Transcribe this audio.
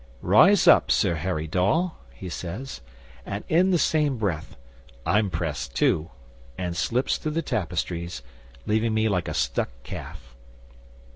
'"Rise up, Sir Harry Dawe," he says, and, in the same breath, "I'm pressed, too," and slips through the tapestries, leaving me like a stuck calf.